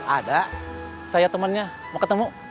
ada saya temannya mau ketemu